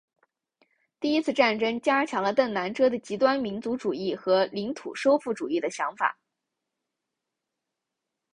第一次战争加强了邓南遮的极端民族主义和领土收复主义的想法。